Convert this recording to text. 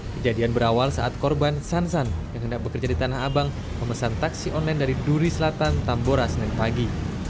kejadian berawal saat korban sansan yang hendak bekerja di tanah abang memesan taksi online dari duri selatan tambora senin pagi